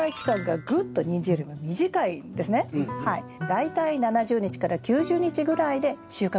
大体７０日９０日ぐらいで収穫ができる。